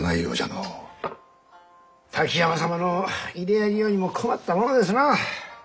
滝山様の入れ揚げようにも困ったものですなあ。